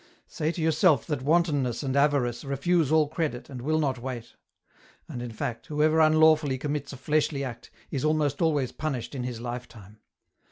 Say to yourself that wantonness and avarice refuse all credit and will not wait ; and in fact, whoever unlawfully commits a fleshly act is almost always punished in his lifetime.